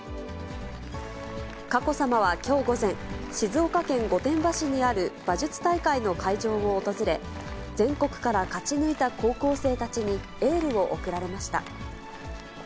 佳子さまはきょう午前、静岡県御殿場市にある馬術大会の会場を訪れ、全国から勝ち抜いた高校生たちに、エールを送られました。